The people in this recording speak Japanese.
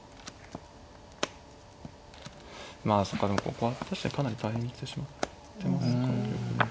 まあそっかでもここは確かにかなり大変にしてしまってますか。